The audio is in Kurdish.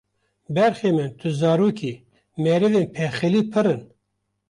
Berxê min tu zarokî, merivên pexîlî pirin